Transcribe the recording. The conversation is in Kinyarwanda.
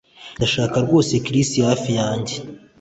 Ndashaka rwose Chris hafi yanjye